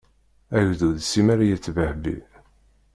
Agdud simmal a yettbehbi.